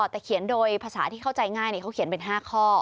แต่เขียนโดยภาษาที่เข้าใจง่ายเขาเขียนเป็น๕ข้อ